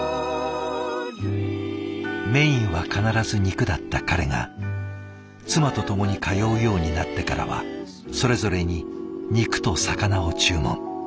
メインは必ず肉だった彼が妻と共に通うようになってからはそれぞれに肉と魚を注文。